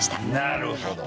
なるほど。